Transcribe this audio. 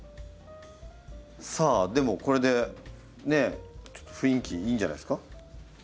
さあでもこれでねちょっと雰囲気いいんじゃないですか？